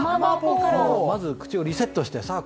まず口をリセットしてさあ